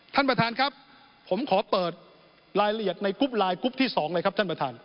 ท่านประธานครับผมขอเปิดรายละเอียดในกรุ๊ปไลน์กรุ๊ปที่๒เลยครับท่านประธาน